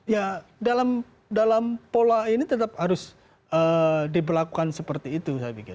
ya dalam pola ini tetap harus diperlakukan sebetulnya